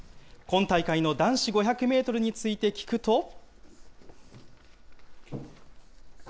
今大会の男子５００メートルについて聞くと。